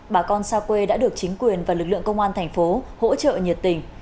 bà con xa quê đã được chính quyền và lực lượng công an thành phố hỗ trợ nhiệt tình